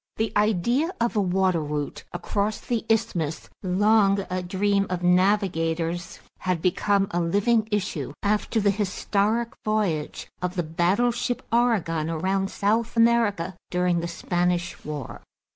The idea of a water route across the isthmus, long a dream of navigators, had become a living issue after the historic voyage of the battleship Oregon around South America during the Spanish War.